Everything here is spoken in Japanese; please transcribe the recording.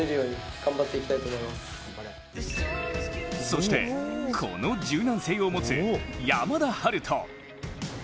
そしてこの柔軟性を持つ山田陽翔。